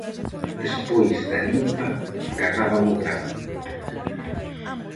Despois da limpa gardaban o gran.